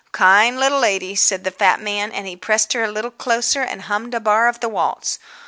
"Kind little lady," said the fat man, and he pressed her a little closer, and hummed a bar of the waltz.